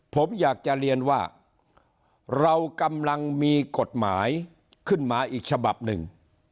ผมอยากจะเรียนว่าเรากำลังมีกฎหมายขึ้นมาอีกฉบับหนึ่ง